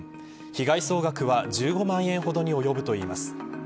被害総額は１５万円ほどに及ぶといいます。